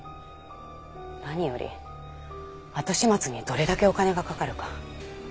何より後始末にどれだけお金がかかるか。